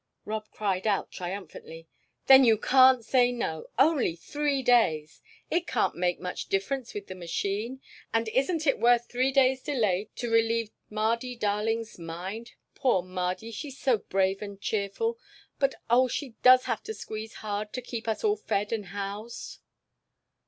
Rob cried out triumphantly: "Then you can't say no! Only three days! It can't make much difference with the machine, and isn't it worth three days' delay to relieve Mardy darling's mind? Poor Mardy! She's so brave and cheerful, but, oh, she does have to squeeze hard to keep us all fed and housed."